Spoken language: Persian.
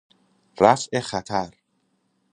رفع خطر